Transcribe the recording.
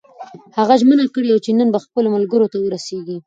هغه ژمنه کړې وه چې نن به خپلو ملګرو ته ورسېږي.